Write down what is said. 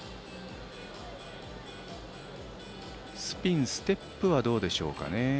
スピン、ステップはどうでしょうかね。